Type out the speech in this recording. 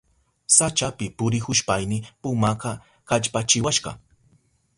Sachapi purihushpayni pumaka kallpachiwashka.